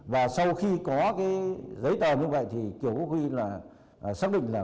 và sau khi có giấy tòa như vậy thì kiều quốc huy xác định là